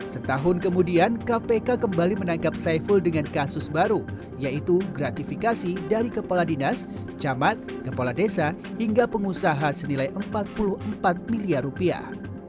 setahun kemudian kpk kembali menangkap saiful dengan kasus baru yaitu gratifikasi dari kepala dinas camat kepala desa hingga pengusaha senilai empat puluh empat miliar rupiah